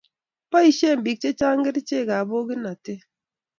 Baishen pik che changa kerichek ab pokinatet